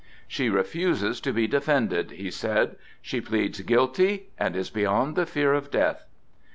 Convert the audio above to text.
"She refuses to be defended," he said; "she pleads guilty and is beyond the fear of death!"